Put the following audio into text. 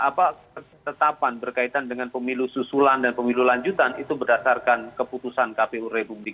apa ketetapan berkaitan dengan pemilu susulan dan pemilu lanjutan itu berdasarkan keputusan kpu republik